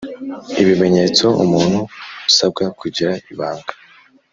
ibimenyetso umuntu usabwa kugira ibanga